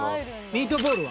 ミートボールは？